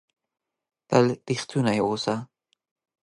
تل ریښتونی اووسه!